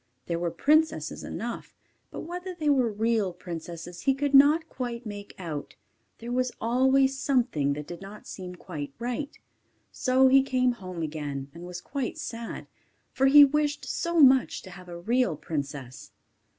There were princesses enough, but whether they were real princesses he could not quite make out: there was always something that did not seem quite right. So he came home again, and was quite sad: for he wished so much to have a real princess.